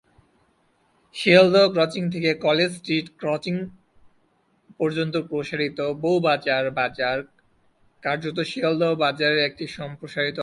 Sealdah crossing থেকে College Street crossing পর্যন্ত প্রসারিত বউ বাজার বাজার, কার্যত শিয়ালদহ বাজারের একটি সম্প্রসারিত অংশ।